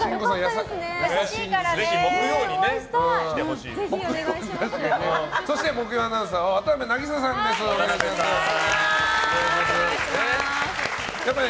ぜひ、木曜に来てほしいですね。